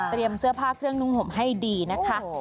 เสื้อผ้าเครื่องนุ่งห่มให้ดีนะคะ